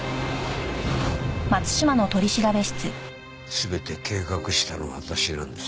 全て計画したのは私なんです。